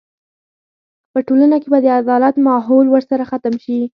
په ټولنه کې به د عدالت ماحول ورسره ختم شي.